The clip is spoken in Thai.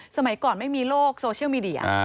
สมัยก่อนไม่มีโลกโซเชียลมีเดีย